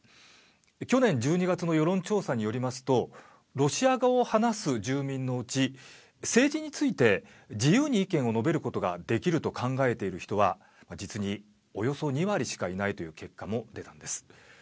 去年１２月の世論調査によりますとロシア語を話す住民のうち政治について自由に意見を述べることができると考えている人は実におよそ２割しかいないという結果も出たんです。